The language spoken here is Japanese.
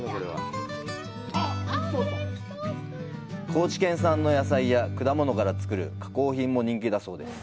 高知県産の野菜や果物から作る加工品も人気だそうです。